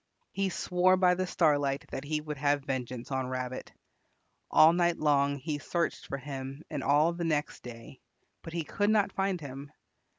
He swore by the Starlight that he would have vengeance on Rabbit. All night long he searched for him and all the next day, but he could not find him.